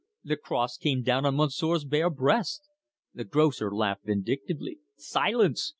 "The cross came down on Monsieur's bare breast." The grocer laughed vindictively. "Silence!"